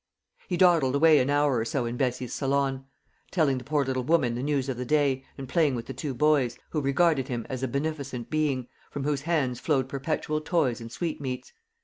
He dawdled away an hour or so in Bessie's salon telling the poor little woman the news of the day, and playing with the two boys, who regarded him as a beneficent being, from whose hands flowed perpetual toys and sweetmeats.